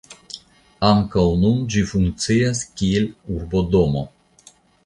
Ankaŭ nun ĝi funkcias kiel urbodomo.